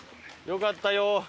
よかったよ。